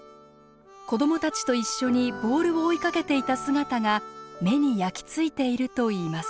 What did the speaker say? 子どもたちと一緒にボールを追いかけていた姿が目に焼き付いているといいます。